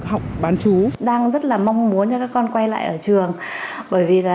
học bán chú đang rất là mong muốn cho các con quay lại ở trường bởi vì là cái thời gian học online